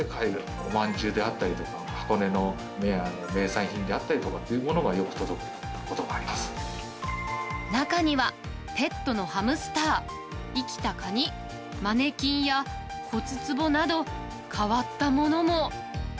おまんじゅうであったりとか、箱根の名産品であったりとかっていうものが、よく届くことがあり中には、ペットのハムスター、生きたカニ、マネキンや骨つぼなど、変わったものも。